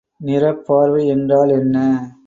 நிறப்பார்வை என்றால் என்ன?